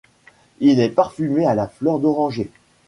Il est parfumé à la fleur d'oranger.